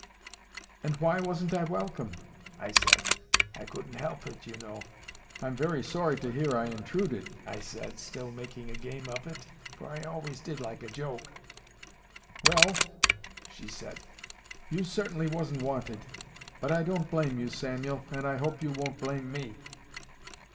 '—'And why wasn't I welcome?' I said. 'I couldn't help it, you know. I'm very sorry to hear I intruded,' I said, still making game of it, you see; for I always did like a joke. 'Well,' she said, 'you certainly wasn't wanted. But I don't blame you, Samuel, and I hope you won't blame me.